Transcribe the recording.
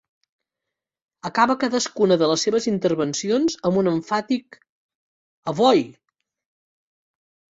Acaba cadascuna de les seves intervencions amb un emfàtic A Voi!